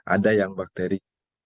ada yang bakteri